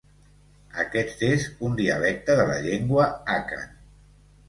Aquest és un dialecte de la llengua àkan.